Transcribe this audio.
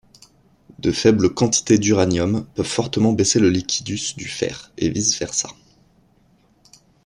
De faibles quantités d'uranium peuvent fortement baisser le liquidus du fer, et vice-versa.